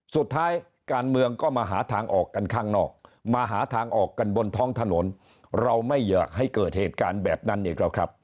สุดท้ายการเมืองก็มาหาทางออกกันข้างนอกมาหาทางออกกันบนท้องถนนเราไม่อยากให้เกิดเหตุการณ์แบบนั้นอีกหรอกครับ